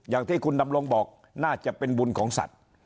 อย่างที่คุณดำรงบอกน่าจะเป็นบุญของสัตว์